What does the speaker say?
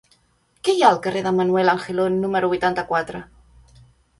Què hi ha al carrer de Manuel Angelon número vuitanta-quatre?